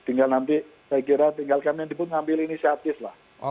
tinggal nanti saya kira tinggalkan yang dibut ngambil inisiatif lah